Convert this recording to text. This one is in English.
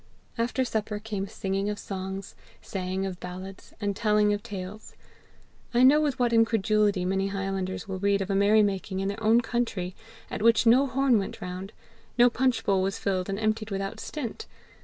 After supper came singing of songs, saying of ballads, and telling of tales. I know with what incredulity many highlanders will read of a merry making in their own country at which no horn went round, no punch bowl was filled and emptied without stint!